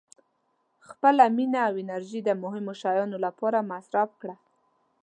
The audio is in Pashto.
• خپله مینه او انرژي د مهمو شیانو لپاره مصرف کړه.